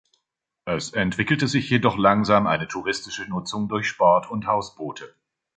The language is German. Es entwickelt sich jedoch langsam eine touristische Nutzung durch Sport- und Hausboote.